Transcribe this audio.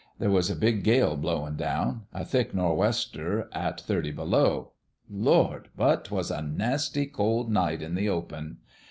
There was a big gale blowin' down a thick nor' wester at thirty below. Lord ! but 'twas a nasty cold night in the open.